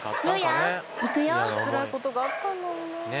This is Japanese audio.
つらいことがあったんだろうな。